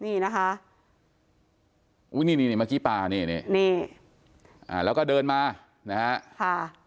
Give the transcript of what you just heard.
นี่นะคะอุ้ยนี่นี่เมื่อกี้ป่านี่นี่อ่าแล้วก็เดินมานะฮะค่ะ